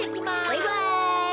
バイバイ。